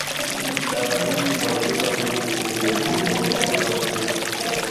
dawa hizo zinaongeza nguvu kwenye mfumo wa kinga mwilini